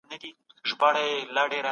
يو پر بل باندي له احسان اچولو څخه ډډه کول